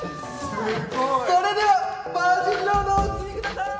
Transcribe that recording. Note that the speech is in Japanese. すごいそれではバージンロードをお進みください